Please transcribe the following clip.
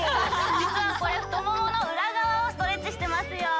じつはこれふともものうらがわをストレッチしてますよ。